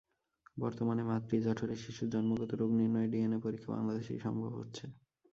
বর্তমানে মাতৃজঠরে শিশুর জন্মগত রোগ নির্ণয়ের ডিএনএ পরীক্ষা বাংলাদেশেই সম্ভব হচ্ছে।